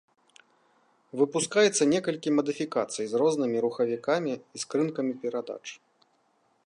Выпускаецца некалькі мадыфікацый з рознымі рухавікамі і скрынкамі перадач.